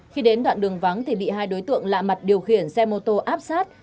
khi đến đoạn đường vắng thì bị hai đối tượng lạ mặt điều khiển xe mô tô áp sát